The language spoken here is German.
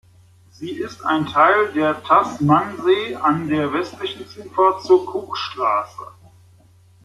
Sie ist ein Teil der Tasmansee an der westlichen Zufahrt zur Cookstraße.